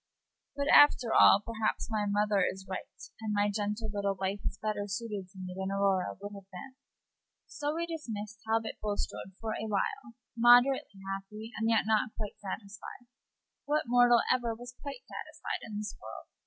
But, after all, perhaps my mother is right, and my gentle little wife is better suited to me than Aurora would have been." So we dismiss Talbot Bulstrode for a while, moderately happy, and yet not quite satisfied. What mortal ever was quite satisfied in this world?